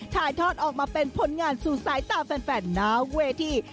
ถ่ายทอดออกมาเป็นผลงานสู่สายตาแฟนหน้าเวที